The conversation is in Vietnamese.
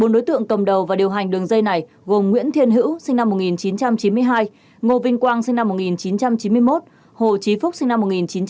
bốn đối tượng cầm đầu và điều hành đường dây này gồm nguyễn thiên hữu sinh năm một nghìn chín trăm chín mươi hai ngô vinh quang sinh năm một nghìn chín trăm chín mươi một hồ trí phúc sinh năm một nghìn chín trăm chín mươi